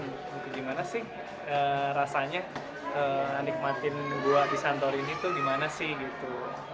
gimana sih rasanya nikmatin goa di santorini itu gimana sih gitu